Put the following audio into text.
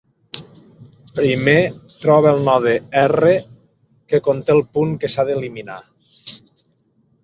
Primer, troba el node R que conté el punt que s'ha d'eliminar.